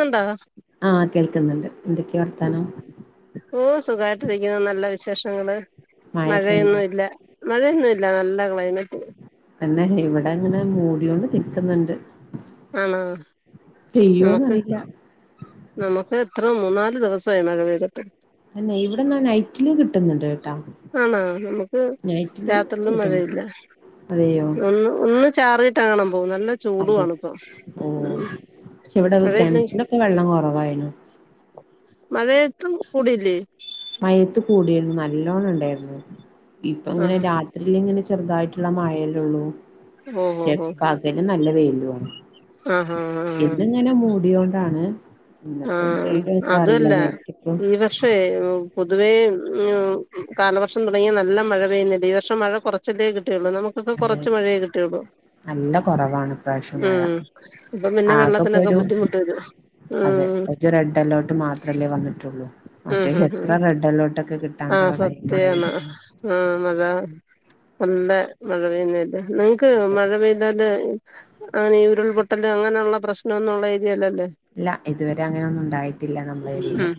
ആണ്ടാ ആ കേൾക്കുന്നുണ്ട് എന്തൊക്കെയ വർത്താനം ഓ സുഖമായിട്ടിരിക്കുന്നു നല്ല വിശേഷം വിശേഷങ്ങള് മഴയൊക്കെ ഉണ്ടോ മഴയൊന്നും ഇല്ല മഴയൊന്നുമില്ല നല്ല ക്ലൈമറ്റ് പിന്നെ ഇവിടെ ഇങ്ങനെ മൂട്യോണ്ട് നിക്കുന്നുണ്ട് ആണോ നമക്ക് പെയ്യോന്നറിയില്ല നമുക്ക് ഇവിടെ മൂന്നാല് ദിവസമായി മഴ പെയ്തിട്ട് അന്നെ ഇവിടെന്നാ നൈറ്റില് കിട്ടുന്നുണ്ട് ആണാ നമുക്ക് നൈറ്റില് രാത്രിലും കിട്ടുന്നുണ്ട് മഴയില്ല അതെയോ ഒന്ന് ഒന്ന് ചാറീട്ടണം അതെ ഓ ഉം പക്ഷെ ഇവിടെ കിണറ്റിലൊക്കെ വെള്ളം കുറവായി നു മഴത്തും കൂടില്ലേ മഴയത്ത് കൂടിരുന്നു നല്ലോണം ഉണ്ടായിരുന്നു ഇപ്പ ഇങ്ങനെ ആഹാ രാത്രിൽ എങ്ങനെ ചെറുതായിട്ടുള്ള മഴയല്ലേയുള്ളൂ ഓ ഓ ഓ ഷെപ്പാക്കെ നല്ല വെയിൽ ആഹാ [unintelligible] എന്നുമിങ്ങനെ മൂട്ടിയോണ്ടാണ് ആ അതല്ല നൈറ്റ് ഇപ്പം ഈ വർഷേ- പൊതുവേ കാലവർഷം തുടങ്ങിയാ നല്ല മഴ പെയ്യുന്നില്ലേ ഈ വർഷം മഴ കുറച്ചല്ലേ കി- നമുക്കൊക്കെ അതെ കുറച്ച് മഴയെ കിട്ടിയുള്ളൂ നല്ല കുറവാണ് ഇപ്രാവശ്യം മഴ ഉം ഇപ്പൊ പിന്നെ വെള്ളത്തിനൊക്കെ ആകെപ്പൊരു ബുദ്ധിമുട്ട് വരും അതെ ഉം ഒരു റെഡ് അലേർട്ട് മാത്രമല്ലേ വന്നിട്ടുള്ളൂ മറ്റേ എത്ര റെഡ് അലേർട്ട് ഒക്കെ ആ കിട്ടാനുള്ള ടൈമായി സത്യമാണ് ആ മഴ നല്ല മഴ പെയ്യുന്ന അല്ല നിങ്ങക്ക് മഴ പെയ്താല് അങ്ങനെ ഉരുൾപൊട്ടൽ അങ്ങനെയുള്ള പ്രശ്നമൊന്നുള്ള ഏരിയ ഇല്ല ഇതുവരെ അങ്ങനെ ഒന്നും ഉണ്ടായിട്ടില്ല നമ്മളരിയില്‌ ഉം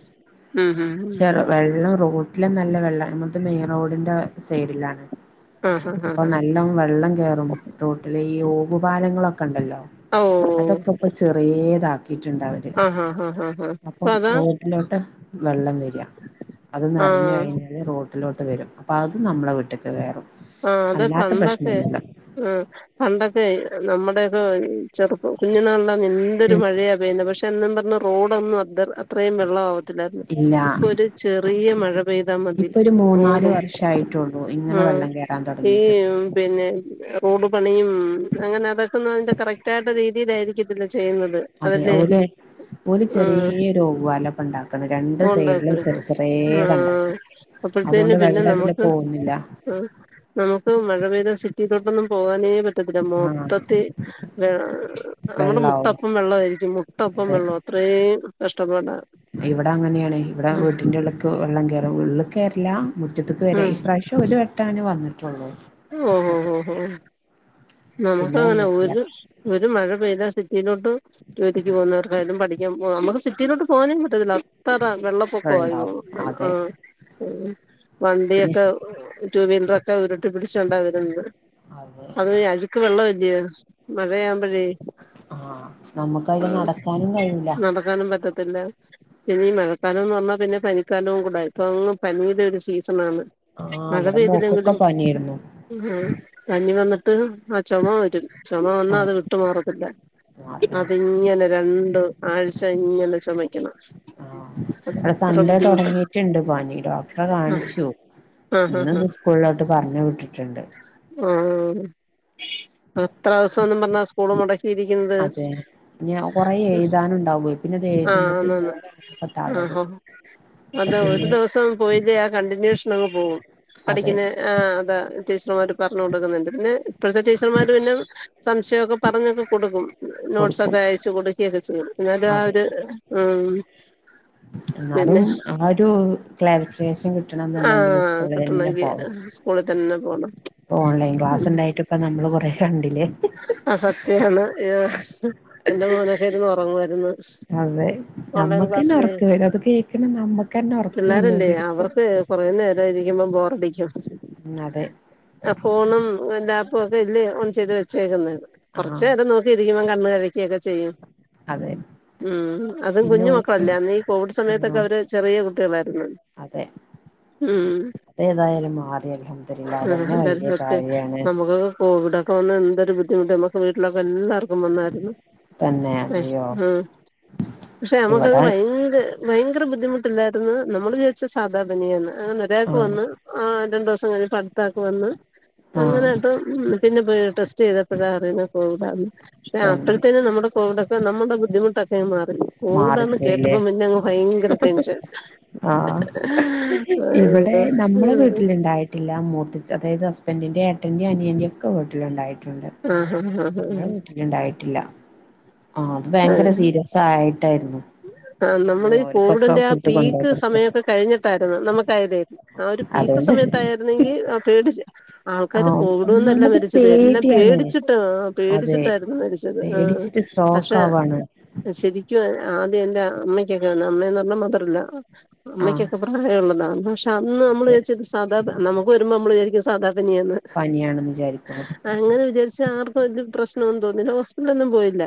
ഉം ഹും ഹും പക്ഷേ വെള്ളം റോട്ട- അതിലുംനല്ല വെള്ളമി നമ്മടത് മെയിൻ റോഡി്- സൈഡിലാണ് ആഹ് ഹാ ഹാ അപ്പം ഹാ നല്ല വെള്ളം കേറും റോട്ടില ഈ ഓവുപാലങ്ങളൊക്കെ ഇണ്ടല്ലോ ഓഹ് അതൊക്കെ ഇപ്പോ ചെറിയേതാക്കും ണ്ടാവല് ആഹ് ഹാ ഹാ ഹാ ഹാ അപ്പം അപ്പൊ അതാ റോഡിലോട്ട് വെള്ളം വരിക അത് നിറഞ്ഞ ആഹ് കഴിഞ്ഞാല് റോ വീട്ടിലോട്ട് വരും അപ്പ അത് നമ്മളെ വീട്ടേക്ക് കേറും ആഹ് അത് അല്ലാത്ത പണ്ടൊക്കെ പ്രശ്നൊന്നുല്ല ആഹ് പണ്ടൊക്കെ നമ്മുടെ ചെറുപ്പം കുഞ്ഞിനാളി എന്തൊരു ഉം മഴയാ പെയ്യുന്നത് പക്ഷെ എന്നും പറഞ്ഞ്- റോഡ് ഒന്നും അദ് അ- ഇത്രയും വെള്ളം ആവത്തില്ലായിരുന്നു ഇല്ല ഇപ്പൊ ഒരു ചെറിയ മഴ പെയ്താ മതി ഇപ്പൊ ഒരു മൂന്നാല് റോഡും വർഷായിട്ടുള്ളൂ ഇങ്ങനെ ആഹ് വെള്ളം കേറാൻ ഏ തുടങ്ങിയിട്ട് [unintelligible] പിന്നെ റോഡ് പണിയും ഉം അങ്ങനെ അതക്കെ അതിന്റെ കറക്റ്റ് ആയിട്ട് രീതിയിലായിരിക്കും ഇതില്- അതെ ഓല് ആ ചെറിയ ഒരു ഓവുപാലവാ ഇപ്പൊ ഉണ്ടാക്കണേ രണ്ട് സൈഡിലും ഉണ്ടാക്ക ചെറ ആ ചെറിയത്ണ്ടാക്കിയ അപ്പോഴത്തേന് അതുകൊണ്ട് പിന്നെ വെള്ള ഇതില് നമുക്ക് പോകുന്നില്ല ആഹ് നമുക്ക് മഴ പെയ്താ സിറ്റിയിലോട്ടൊന്നും പോവാനേ- പറ്റത്തില്ല ആഹ് മൊത്തത്തി വെ നമ്മുടെ വെള്ളാവും മുട്ടപ്പം വെള്ളമായിരിക്കും മുട്ടപ്പം അതെ വെള്ളം അത്രയും- കഷ്ടപ്പാടാ ഇവിടെ അങ്ങനെയാണ് ഇവിടെ ഉം വീട്ടിന്റെ ഉള്ളക്ക് വെള്ളം കയറും ഉള്ള് ഇല്ലാ മുറ്റത്തക്ക് വരെ ഉം ഈ പ്രവശ്യം ഒരു വെട്ട അന് വന്നിട്ടുള്ളൂ ഓഹോ ഹോ ഹോ മുറ്റത്തേക്ക് നമുക്ക് അങ്ങനെ ആ ഒരു മഴ പെയ്താൽ സിറ്റിയിലോട്ടും ജോലി ക്ക് പോകുന്നവർക്കായാലും പഠിക്കാൻ പോവാൻ നമുക്ക്- സിറ്റിലോട്ടെ പോകാനേ പറ്റത്തില്ല അത്ര വെള്ളപ്പൊക്ക ആയി വെള്ളാവും തോന്ന്ണു അതെ ആഹ് പിന്നെ വണ്ടിയൊക്കെ ടു വീലറൊ ക്കെ ഉരു ട്ടി പിടിച്ചോണ്ടാ വരുന്നത് പറയും അതെ അത് മെ അഴ് വെള്ളം അല്ലിയോ മഴയാ ആഹ് നമ്മുക്ക് അ യിലെ ആഹ് നടക്കാനും കയ്യൂല. നടക്കാനും പറ്റത്തില്ല പിന്നെ ഈ മഴക്കാലം എന്ന് പറഞ്ഞാ പിന്നെ പനിക്കാലവും കൂടെ. ഇപ്പൊ ങ്ങ് പനിയുടെ ഒരു സീ സണാണ്. ആ മഴ ഇവിടെ മോക്കൊക്കെ പെയ്തിതെങ്കിലും പനിയായിരുന്നു ആഹ പനി വന്ന് ട്ട് ആഹ് ചുമ വരും. ചുമ ആ വന്നാ അത് വിട്ടുമാറത്തില്ല. മാറി ആ അതിങ്ങനെ രണ്ട് ആഴ്ച ഇങ്ങനെ ചുമ ആ അല്ല സൺഡേ ബുദ്ധിമുട്ടാ തുടങ്ങിട്ടുണ്ട് പാനി ഡോക്ടറെ ആ കാണിച്ചു ആ ഇന്ന്ന്ന് ആ സ്കൂളിലോട്ട് പറഞ്ഞ വിട്ടിട്ടുണ്ട്. ആ എത്ര ദിവസം ഒന്നും പറഞ്ഞ സ്കൂള മുടക്കിയിരിക്കുന്നത് അതെ ഇനി കൊറേ എഴുതാനുണ്ടാവുവേ പിന്നെ അത് ആ എഴുതുമ്പത്തിന് ഒന്നന്ന് ഓരാകെ തളരും ആ അപ്പൊ അത ഒരു പിന്നെ ദിവസം പോയിത് ആ കണ്ടിന്യേഷൻ അങ്ങ് പോകും അതെ പഠിക്കുന്ന ആ അതാ ടീച്ചർമാർ പറഞ്ഞഞ് കൊടുക്കുന്നുണ്ട് പിന്നെ ഇപ്പോഴത്തെ ടീച്ചർമാർ പിന്നെ സംശയമൊക്കെ പറഞ്ഞൊക്കെ കൊടുക്കും കൊടുക്കും നോട്ട്സൊക്കെ അയച്ചും കൊടുക്കുകൊക്കെ ചെയ്യും എന്നാലും ആ അതെ ഒരു ആ എന്നാലും ആ ഒരു ക്ലാരിഫിക്കേഷൻ കിട്ടണം ആ എന്നുണ്ടെങ്കില് സ്കൂള തന്നെ കിട്ടണമെങ്കിൽ പോകണം. സ്കൂളിൽ [inaudible] ഓൺലൈൻ ക്ലാസ് ഉം ഇണ്ടായിട്ടും ആ സത്യാണ് ആ എന്റെ മോനൊക്കെ ഇരുന്നു ഉറങ്ങുവമായിരുന്നു അതെ ഓൺലൈൻ നമ്മക്കന്നെ ക്ലാസില ഉറക്കം വരും അത് കേൾക്കണ നമ്മക്കന്നെ ഉറക്കം പിള്ളേരല്ലേ വന്നോണ്ടിരിക്കും അവർക്ക് കുറയ നേര ഇരിക്കുമ്പോ ബോറടി ഉം അതെ [inaudible] ഫോണും എ ഇപ്പോ അതല്ലേ ഓൺ ചെയ്ത് വെച്ചേക്കുന്ന കുറച്ച ആഹ് നേരം നോക്കി ഇരിക്കുമ്പ നമ്മ ഇരക്കുകൊക്കെ ചെയ്യും അതെ ഉം അതും പിന്നെ കുഞ്ഞു ഓൽക്ക് മക്കളല്ല അന്ന ഈ കോവിഡ് സമയത്തൊക്കെ ആഹ് അവര് ചെറിയ കുട്ടികളായിരുന്നു അതെ ഉം അതേതായാലും മാറി അൽഹംദുലില്ലാഹ് ആ ആ അതന്നെ അതെ വലിയ മറ്റേ കാര്യാണ് നമുക്ക് കോവിഡൊക്കെ വന്ന് എന്തൊരു ബുധമുട്ട് നമക്ക് വീട്ടിലക്കെ എല്ലാർും രുന്നു തന്നെ അതെയോ പക്ഷെ നമുക്കങ്ങ് ഇവിടെ ഭയങ്കര ഭയങ്കര ബുദ്ധിമുട്ട് ായിരുന്നു നമ്മള് ജോദിച്ച സാധാപനെയാണ് ആ നിരയാക്ക് ആഹ് വന്ന് ആ ര ദിവസ പടുത്താക്ക വന്ന് ആഹ് അങ്ങനൊയിട്ട് പിന്നെ പോടെ ചെയ്തപ്പൊ അറിയുന്ന പോടന്ന് പക്ഷെ തന്നെ അപ്പഴത്തേും നമ്മുടെ കോവിഡ നമ്മു ബുധിുട്ടക്ക കോടാന്ന് മാറിപ്പോയില്ലേ കേട്ടപ്പോ പിന്നെ ഭയങ്കര തൻഷൻ ആഹ് ഇവിടെ അ നമ്മളെ വീട്ടിലുണ്ടായിട്ടില്ല മൂത്തച്ചി അതായത് ഹസ്ബൻഡറിന്റെഏട്ടന്റെറെ അനിയന്റെയും ഒക്കെും ട്ടിലുണ്ടായിട്ടുണ്ട് ആഹ് ആഹ് ആഹ് നമ്മൾ വീട്ടിലുണ്ടായിട്ടില്ല ആഹ് അത് ആ ഭയങ്കര സീരിയസ് ആയിട്ടായിരുന്നു ആ പിന്നെ നമ്മൾ ഈ ഓര്ക്കൊക്കെ കോവിഡിന്റെ ആ ഫുഡ് കൊണ്ടോയി പീക്ക് കൊടുത്ത് സമയമൊക്കെ കഴിഞ്ഞിട്ടായിരുന്നു നമുക്ക് ഇതത് ആ ഒരു പീക്ക് അതുകൊണ്ട് സമയത്ത ആായിരുന്നെങ്കിൽ ആ പേടി അ ആൾക്കാാര് ആഹ് കോവിഡന്നല്ല ഒന്നാമത് മരിച്ചത് എല്ലാം പേടിയാണ് പേടിച്ചിട്ടും ആ അതെ പേടിച്ചിട്ടായിരുന്നു മരിച്ചത് പേടിച്ചിട്ട് ആ സ്ട്രോക്ക് ആവാണ് ശരിക്കും ആദ്യം എല്ല അമ്മക്കൊക്കെയാണ് അമ്മന്ന് പറഞ്ഞാൽ മാത്രല്ല ആഹ് അമ്മയ്ക്കൊക്കെ പ്രായമുള്ളതാണ് പക്ഷെ അന്ന് നമ്മള്െ അതെ സാ ന മമളരിക്ക സാ പനിയാണെന്ന് വിചാരിക്കുമ്പോ അനെ വിചാരിച്ച ആർക്കും പ്രശ്ന ോ തോന്നെ ഹോസ്പിറ്റലൊന്നും പോയില്ല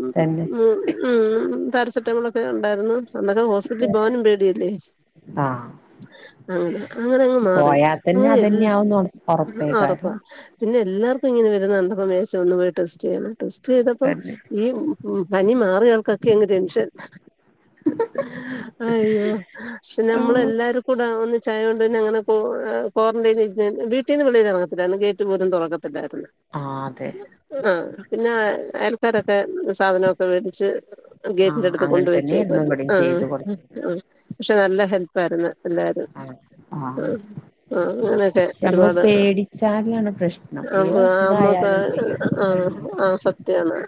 ഉം തന്നെ ഉ ഉം പാരസെറ്റമോള ഒക്കെ ഉണ്ടായിരുന്നു ചന്തക ഹോസ്പിലി ഭവാന ബേടി ആഹ് ആ അങ്ങനെ അങ്ങ് മാറി പോയാ തന്നെ അങ്ങനെ എല്ല അതന്നെ ആവുന്ന് ഉറപ്പാ ഒറപ്പേക്കാരം പിന്നെ എല്ലാർക്കും ഇങ്ങനെരുന്നണ്ട മേച്ച ഒന്ന് പോയി ടെസ്റ്റ് ചെയ്യാണ് സ്റ്റ് ചെയ്തപ്പ തന്നെ ഈ ഉ ഉ പനി മാ യാൾക്കൊക്കെെ ടെൻഷൻ അയ്യോ ആഹ് നമ്മളെല്ലാരും കൂ ഒന്ന ചായുകൊണ്ട് പിന്നെ അങ്ങനെ ക്വാറൈൻ വീട്ടീന്ന് വിളി ഇറങ്ങത്തിത്തിലുരുന്നു ഗേറ്റ് പോലും തുറക്കത്തില്ല അതെ ആഹ പിന്നെ അയൽക്കാരൊക്കെ സ് സാധനമൊക്കെ മേടിച്ച് ഗേറ്റിന്റെ ആഹ് അടുത്ത് അങ്ങനെ കൊണ്ട് വെച്ചേക്ക തന്നെയായിരുന്നു ഇവിടെയും ആ ചെയ്ത് കൊടുത്തിരുന്നത് പക്ഷെ നല്ല ഹെൽപ്പാര്ന്ന്. എല്ലാരും ആഹ് ആഹ് ആ ആ അങ്ങനെയൊക്കെ പക്ഷെ നമ്മള് ഒരുപാട് പേടിച്ചാലാണ് പ്രശ്നം ഏത് ആ അമ്മക്കെ അസുഖായാലും പേടിച്ചു ആഹ ആ സത്യാണ്.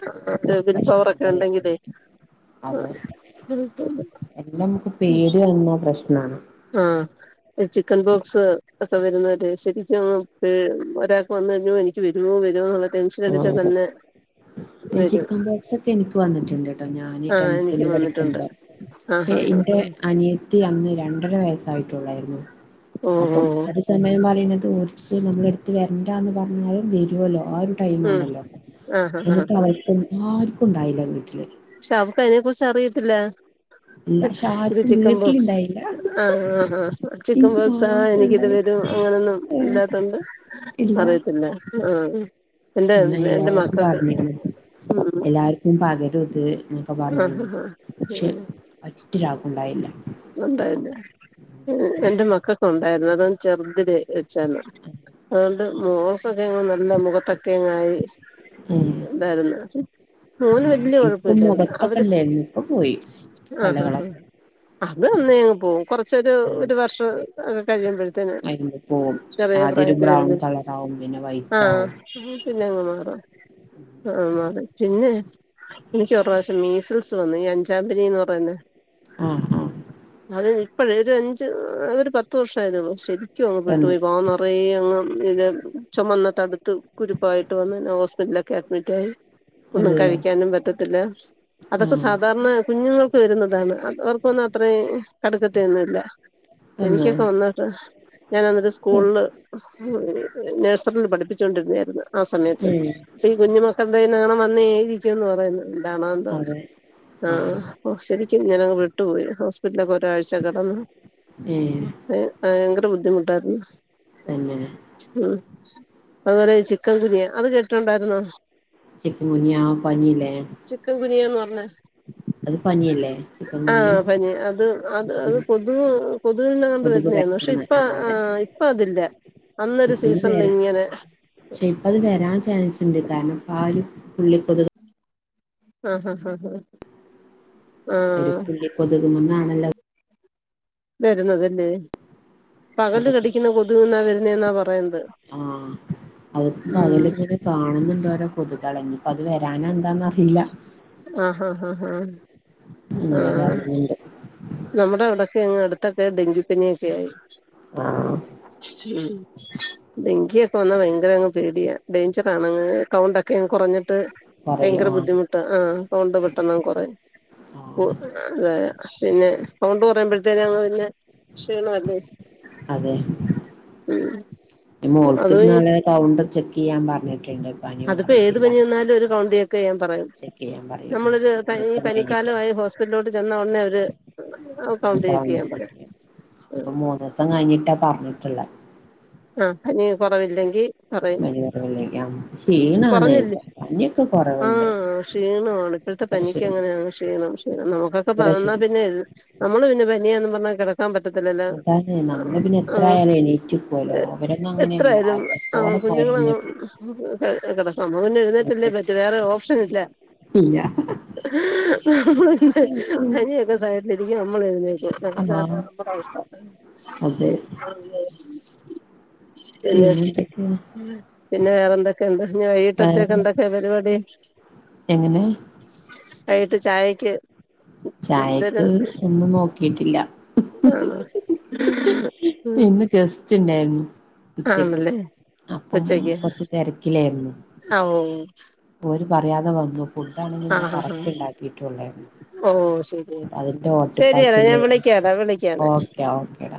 ഒരു വിൽ പ്രശ്ന പവറൊക്കെ ഉണ്ടെങ്കിലേ അതെ എല്ലാം നമുക്ക് പേടി വരുന്ന പ്രശ്നമാണ്. ആഹ് ചിക്കൻ ബോക്സ് ഒക്കെ വരുന്നത് ശരിക്കും ഒരാൾക്ക് വന്ന് കഴിഞ്ഞോ എനിക്ക് വരുമോ വരുമോ എന്നുള്ള. ടെൻഷൻ അടിച്ച ആകെ തന്നെ വരും ചിക്കൻ ബോക്സ് ഒക്കെ എനിക്ക് വന്നിട്ടുണ്ട് കേട്ടോ ഞാന് ആ ടെൻതിൽ എനിക്ക് വന്നിട്ടുണ്ട് പഠിക്കുമ്പോ ആ പക്ഷെ ഹാ ഹാ എന്റെ ഹാ അനിയത്തി അന്ന് രണ്ടര വയസ്സായിട്ടുള്ളായിരുന്നു ഓ അപ്പം ഓ അത് സമയം പറയുന്നത് ഒരുര്ക്ക് നമ്മ എടുത്ത് വരണ്ട എന്ന്. പറഞ്ഞാലും ബരുലോ ആ. ടൈം ഉം ആണല്ലോ ആ ഹാ ഹാ എന്നിട്ട് ഹാ അവൾക്ക് ആർക്കും. ഉണ്ടായില്ല വീട്ടില്. പക്ഷെ അവക്ക് അതിനെ കുറിച്ച് അറിയത്തില്ല. ഇല്ല പക്ഷെ ഇത് ആർക്കും ചിക്കൻ ബോക്സ് വീട്ടിലിണ്ടായില്ല ആ ആ ചിക്കൻ എനിക്ക് ബോക്സ് ആ മാത്രം എനിക്കിത് ഉണ്ടായി വരും അങ്ങനൊന്നും ഏഹ് ഇല്ലാത്തണ്ട് ഇല്ല അറിയത്തില്ല ആ. എന്റെ എന്നാ എന്റെ എല്ലാവർക്കും മക്കൾക്ക് പറഞ്ഞിന്ന് ഉം എല്ലാവർക്കും പകരും. അവര് ഇത്ക്കെ ആ ഹാ പറഞ്ഞിരുന്നു ഹാ പക്ഷെ ഉം മറ്റൊരാക്കണ്ടായില്ല. ഉണ്ടായിരുന്നു എന്റെ മക്കൊക്കെ ഉണ്ടായിരുന്നു അതൊ ചെറുതില് വെച്ചരുന്നു അതുകൊണ്ട് മുഖക്കൊക്കെ നല്ല മുഖത്തൊ ഒക്കെങ്ങായി ഏഹ് ഉണ്ടായിരുന്നു. മോന്. വലൃ ആഹ് ഇപ്പം കുയഴപ്പില്ലായിരുന്നു മുഖത്തൊക്കെ അവര് ഉണ്ടായിരുന്നു ഇപ്പൊ പോയി ആ ഹ ഹ കലകളൊക്കെ അത് അന്ന്ങ്ങ് പോവും കൊറച്ചൊരു ആഹ് ഒരു വർഷം ഒക്കെ കഴിയുമ്പോഴത്തേന് വരുമ്പോ പോവും ചെറിയ ആദ്യം ഒരു പ്രായത്തിൽ ബ്രൗൺ വരുന്നിത് കളറാവും പിന്നെ വൈറ്റ് ആഹ ആവും പിന്നെങ്ങ്. ആ ആഹ മണ്. പിന്നെ എനിക്കൊരു പ്രാവശ്യം മീസിൽസ് വന്നു ഈ അഞ്ചാമ്പനീന്ന് പറയുന്നെ. ആഹ ആഹ. അത് ഇപ്പോഴ ഒരു അഞ്ച് ഒരു പത്ത് വർഷ ആയിരുന്നുള്ളൂ ശരി ഒും അങ്ങ് പട്ടു തന്നെ പോയി വാ നിറയ അങ്ങ് ഇര ചുമന്ന് തടുത്ത് കുരുപ്പായിട്ട് വന്ന ഹോസ്പിറ്റലൊക്കെ അഡ്മിറ്റ് ആയി ഒന്നും കഴി അതെയോ ഇരിക്കാനും പറ്റത്തില്ല അതൊക്കെ ആഹ് സാധാരണ കുഞ്ഞുങ്ങൾക്ക് വരുന്നതാണ് അത് ആ ഇന്ന അത്രേ കടുക്കത്തിന്നുല്ല തന്നെ എനിക്കൊക്കെ വന്നിട്ട് ഞാൻന്നിട്ട് സ്കൂളിൽ നഴ്സറിൽ പഠിപ്പിച്ചോ- ണ്ടിരുന്നരുന്നു ആ സമയത്തും ഏഹ് ഈ കുഞ്ഞുമക്കൾടെ വന്നേ- ന്ന് പറയുന്നത് താണോന്തോ അതെ ആഹ് ആ ശരിക്കും ഞാനങ്ങ് വിട്ടു പോയി വീട്ടിലെ - ഒരാഴ്ച്ചാ കിടന്ന് ഏഹ് ഭയങ്കര ബുദ്ധിമുട്ട് ട്ടാണ് തന്നെയെ അതുപോലെ ചിക്കൻ കുനിയാ അത് കേട്ടിട്ടുണ്ടായിരുന്നോ ചിക്കൻകുനിയാ ആ പനില്ലേ ന്നാ ചിക്കൻ ഗുനിയ ആഹ പനി അത് അത് അത് ഉം കൊതുക് കൊതുകിൽനിന്നാണ്ട് കൊതുക് വരുന്നരുന്നു പക്ഷെ പരത്തുന്ന ഇപ്പ ആഹ് ആ അതെ ഇപ്പ അതില്ല അന്നൊരു ഇപ്പ ഇനി സീസണില് വരാ ഇങ്ങനെ പക്ഷെ ഇപ്പ അത് വരാൻ ചാൻസ് ഉണ്ട് കാരണം ഇപ്പ ആ ഒരു പുള്ളിക്കൊതുക് ആഹ് ഹഹ് ഹഹ് ഹഹ് ഒരു പുള്ളി കൊതുക്മന്നാണല്ലോ വരുന്നതല്ലേ പകല് കടിക്കുന്ന കൊതുകി എന്ന വരുന്ന എന്നാ പറ ആഹ അതിപ്പോ ഉം പകലിങ്ങനെ കാണുന്നുണ്ടോരോ കൊതുകളഞ്ഞി അത് വരാന എന്താന്നറിയില്ല ആഹ് ഹഹ് ആഹ് ഹഹ് അങ്ങനെ കാണുന്നുണ്ട് നമ്മുടെ ഇവിടക്കെങ്ങ് അടുത്തൊക്കെ ഡെങ്കിപ്പനിയൊക്കെ ആയി ആഹ് ഡെങ്കിയൊക്കെ വന്നാ ഭയങ്കര അങ്ങ് പേടിയാ ഡേഞ്ചർ ആണങ്ങ് കൗണ്ടൊക്കെ കുറഞ്ഞിട്ട് പറയൂ ഭയങ്കര ആഹ് ബുദ്ധിമുട്ട് ആ കൗണ്ട് പെട്ടന്ന് കുറയും ആഹ് അതെ പിന്നെ കൗണ്ട് പറയുമ്പഴത്തേനെ അങ്ങ് പിന്നെ ക്ഷീണ അല്ലേ അതെ മോൾക്ക് അത് നാളെ കൗണ്ട് ചെക്ക് ചെയ്യാൻ പറഞ്ഞി- അതിപ്പോ ഏത് പനി വാന്നാലും ഒരു കൗണ്ട് ചെക്ക് ചെയ്യാൻ പറയും ചെക്ക് ചെയ്യാൻ പറയും നമ്മളൊരു മൂന്ന് പനി ദിവസം കഴിഞ്ഞിട്ട് പനിക്കാലമായി ഹോസ്പിറ്റലോട്ട് എന്ന ഒടനെ അവര് കൗണ്ട് ചെക്ക് ചെയ്യാൻ പറയും അപ്പൊ മൂന്ന് ദിവസം കഴിഞ്ഞിട്ട് പറഞ്ഞിട്ടുള്ള ആഹ് പനി കൊറവില്ലെങ്കിൽ പറയ്, പനി കുറവില്ല ക്ഷീണാണ് കൊറഞ്ഞില്ലേ? പനിയൊക്കെ ആ, കുറവുണ്ട് ക്ഷീണമാണ്. ഇപ്പഴത്തെ ഇത്ര പനിക്ക് ക്ഷീണം അങ്ങനെയാണ്. ക്ഷീണം ക്ഷീണം. നമ്മുക്കൊക്കെ ഇത്ര പകർന്നാ ക്ഷീണം പിന്നെ നമ്മള് പിന്നെ പനിയാന്ന് പറഞ്ഞ അതാണ്. നമ്മള് പിന്നെ എത്രായാലും എണീറ്റ് നിക്കുവല്ലോ അവരൊന്നും [inaudible] അങ്ങനെയല്ല എത്രായാലും അയൽവക്കോടെ [unintelligible] പോയാൽ കുഞ്ഞുങ്ങളങ്ങ് മതി [unintelligible] കിടക്ക [inaudible] നമ്മള് പിന്നെ എഴുന്നേറ്റല്ലേ പറ്റൂ. വേറെ ഓ [unintelligible] ഇല്ലാ. [unintelligible] [unintelligible] [unintelligible] [unintelligible] രികെ നമ്മള് എഴുന്നേ [unintelligible] [unintelligible] ആഹ് അതെ [unintelligible] [unintelligible] [inaudible] [inaudible] പിന്നെ, പിന്നെ വേറെ എന്തൊക്കെയുണ്ട്? എനി, വേറെ വൈകിട്ടത്തേക്കെന്തൊക്കെയാ പരിപാടി? [unintelligible] എങ്ങനെ? വൈകിട്ട് ചായയ്ക്ക് ചായക്ക് ഒന്നും നോക്കീട്ടില്ല. ആണോ ഉം ഇന്ന് ഗസ്റ്റ് ണ്ടായിരുന്നു. ഉച്ചയ്ക്ക്, ആണല്ലേ അപ്പം ഉച്ചക്ക് കൊറച്ച് തെരക്കിലേര്ന്നു. ആ ഓ ഓല് പറയാതെ വന് ഇന്ന് പുട്ടാണെങ്കി ഞാൻ കറക്റ്റ് ഉണ്ടാക്കീട്ടെ ഉള്ളായിരുന്നു ഓഹ് ശരി ശരിയെടാ ഞാൻ ഓട്ടപ്പാച്ചിലായിരുന്നു വിളിക്കാഡാ വിളിക്കാന്നെ ഓക്കെ ഓക്കേടാ